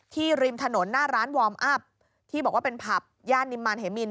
ริมถนนหน้าร้านวอร์มอัพที่บอกว่าเป็นผับย่านนิมมารเหมิน